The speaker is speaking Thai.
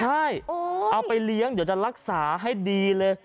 ใช่เอาไปเลี้ยงเดี๋ยวจะรักษาให้ดีเลย